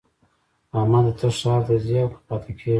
احمده! ته ښار ته ځې او که پاته کېږې؟